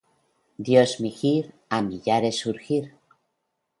Dios migir, a millares surgir.